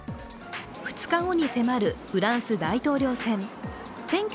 ２日後に迫るフランス大統領選。